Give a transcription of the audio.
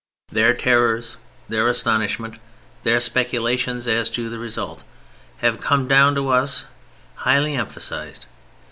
Their terrors, their astonishment, their speculations as to the result, have come down to us highly emphasized.